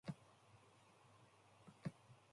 Their call center is in Edinburgh.